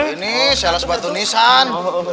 ini shell sebatu nissan